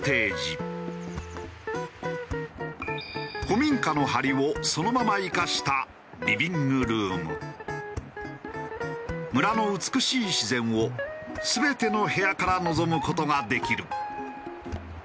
古民家の梁をそのまま生かした村の美しい自然を全ての部屋から望む事ができる。